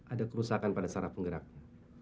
ada kerusakan pada sarah penggeraknya